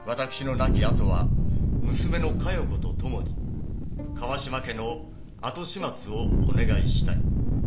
亡き後は娘の加代子と共に川嶋家の後始末をお願いしたい」